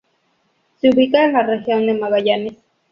Se ubica en la Región de Magallanes.